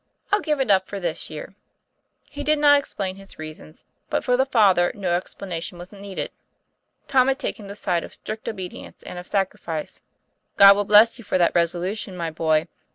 I'll give it up for this year." He did not explain his reasons, but for the Father no explanation was needed. Tom had taken the side of strict obedience and of sacrifice. ''God will bless you for that resolution, my boy.